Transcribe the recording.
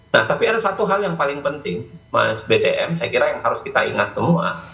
nah tapi ada satu hal yang paling penting mas btm saya kira yang harus kita ingat semua